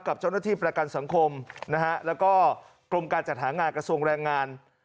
กับเจ้าหน้าที่ประกันสังคมนะฮะแล้วก็กรมการจัดหางานกระทรวงแรงงาน